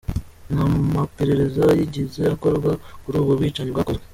Nta maperereza yigeze akorwa kuri ubwo bwicanyi bwakozwe.